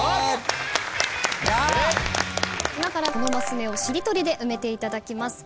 今からこのマス目をしりとりで埋めていただきます。